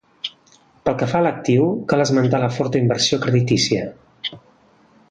Pel que fa a l'actiu, cal esmentar la forta inversió creditícia.